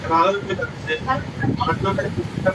তার স্ত্রীর নাম জাহানারা বেগম।